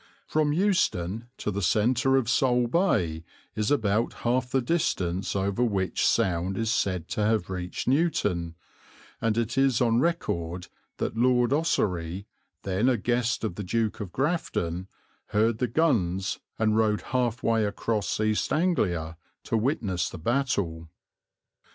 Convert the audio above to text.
From Euston to the centre of Sole Bay is about half the distance over which sound is said to have reached Newton, and it is on record that Lord Ossory, then a guest of the Duke of Grafton, heard the guns and rode half way across East Anglia to witness the battle.